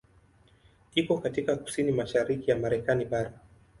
Iko katika kusini mashariki ya Marekani bara.